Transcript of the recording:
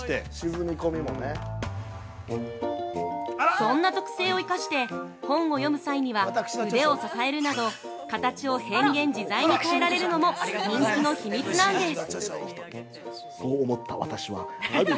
◆そんな特性を生かして本を読む際には、腕を支えるなど形を変幻自在に変えられるのも人気の秘密なんです。